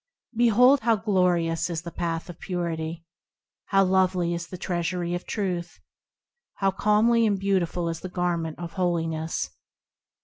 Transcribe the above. Behold how glorious is the Path of Purity ! How lovely is the treasury of Truth ! How comely and beautiful is the Garment of Holiness